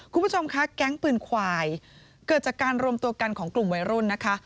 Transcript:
คุณผู้ชมคะแก๊งปืนควายเกิดจากการรวมตัวกันของกลุ่มวัยรุ่นนะคะ